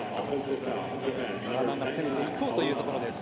馬場が攻めていこうというところです。